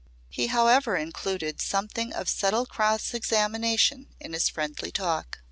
He however included something of subtle cross examination in his friendly talk.